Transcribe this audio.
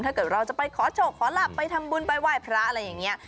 ถ้าเกิดเราจะไปขอโชคขอหลับไปทำบุญไปไหว้พระอะไรอย่างนี้